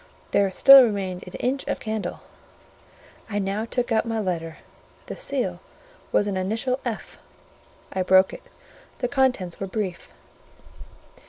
There still remained an inch of candle: I now took out my letter; the seal was an initial F.; I broke it; the contents were brief.